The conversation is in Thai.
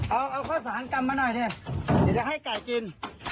เอาข้อสารกรรมมาหน่อยจะให้ไก่กิน